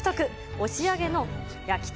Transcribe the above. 押上の焼鳥